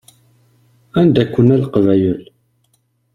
Anda-ken a Leqbayel?